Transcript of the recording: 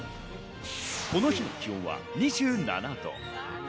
この日の気温は２７度。